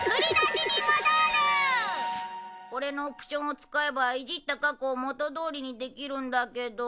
これのオプションを使えばいじった過去を元どおりにできるんだけど。